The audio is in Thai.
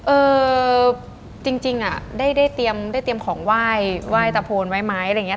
เอ่อจริงอ่ะได้เตรียมของไหว้ไหว้ตะโพนไหว้ไม้อะไรอย่างนี้